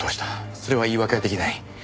それは言い訳は出来ない。